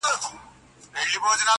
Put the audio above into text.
گراني شاعري زه هم داسي يمه.